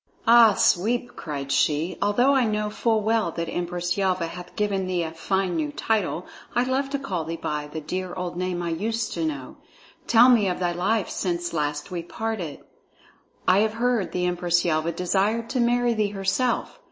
"Ah, Sweep!" cried she, "although I know full well that Empress Yelva hath given thee a fine new title, I love to call thee by the dear old name I used to know. Tell me of thy life since last we parted. I have heard the Empress Yelva desired to marry thee herself.